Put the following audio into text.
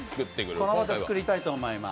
この場で作りたいと思います。